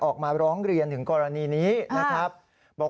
ออกมาร้องเรียนถึงกรณีนี้นะครับบอก